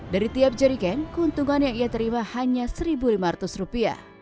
dari tiap jerry kan keuntungan yang ia terima hanya rp satu lima ratus